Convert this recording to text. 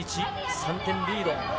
３点リード。